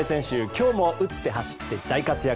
今日も打って走って大活躍。